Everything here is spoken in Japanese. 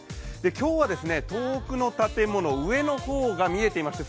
今日は遠くの建物、上の方が見えていまして